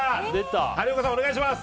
谷岡さん、お願いします。